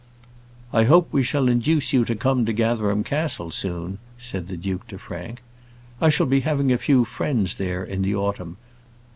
"I hope we shall induce you to come to Gatherum Castle soon," said the duke to Frank. "I shall be having a few friends there in the autumn.